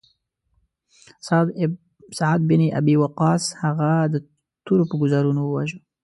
سعد بن ابی وقاص هغه د تورو په ګوزارونو وواژه.